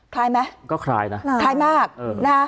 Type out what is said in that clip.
คลายมั้ยก็คลายนะคลายมากนะ